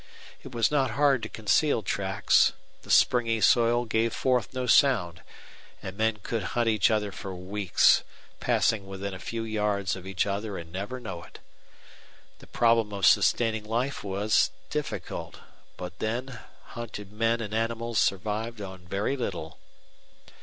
It was not hard to conceal tracks; the springy soil gave forth no sound; and men could hunt each other for weeks, pass within a few yards of each other and never know it. The problem of sustaining life was difficult; but, then, hunted men and animals survived on very little.